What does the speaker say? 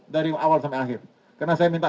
dari awal sampai akhir karena saya minta